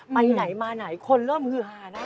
ไปไหนมาไหนคนเริ่มฮือฮานะ